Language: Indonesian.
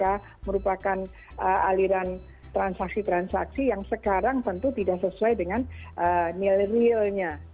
yang merupakan aliran transaksi transaksi yang sekarang tentu tidak sesuai dengan nilainya